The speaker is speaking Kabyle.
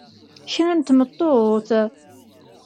Kra n tmeṭṭut!